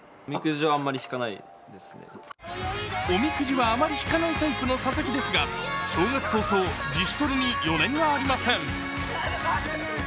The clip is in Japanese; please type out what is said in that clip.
おみくじはあまりタイプの佐々木ですが、正月早々、自主トレに余念がありません。